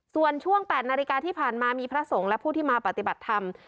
ส่วนช่วง๘นาฬิกาที่ผ่านมามีพระสงฆ์และผู้ที่มาปฏิบัติธรรม